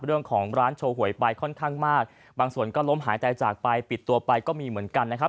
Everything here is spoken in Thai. เรื่องของร้านโชว์หวยไปค่อนข้างมากบางส่วนก็ล้มหายตายจากไปปิดตัวไปก็มีเหมือนกันนะครับ